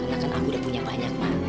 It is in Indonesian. karena kan aku udah punya banyak ma